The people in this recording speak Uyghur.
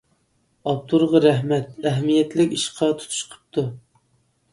ئاپتورغا رەھمەت، ئەھمىيەتلىك ئىشقا تۇتۇش قىپتۇ.